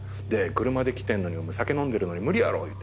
車で来てんのに酒飲んでるのに無理やろ！